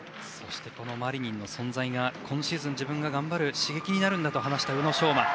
このマリニンの存在が今シーズン自分が頑張る刺激になるんだと話した宇野昌磨。